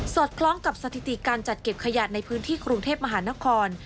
คล้องกับสถิติการจัดเก็บขยะในพื้นที่กรุงเทพมหานคร